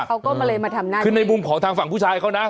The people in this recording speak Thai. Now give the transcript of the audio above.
เขาก็เลยมาทำนั่นคือในมุมของทางฝั่งผู้ชายเขานะ